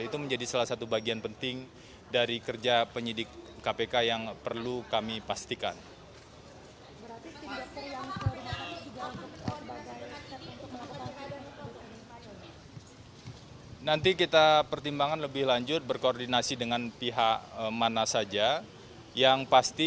itu menjadi salah satu bagian penting dari kerja penyidik kpk yang perlu kami pastikan